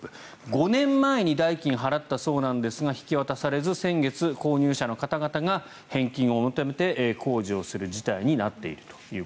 ５年前に代金を払ったんですが引き渡されず先月、購入者の方々が返金を求めて抗議をする事態になっている。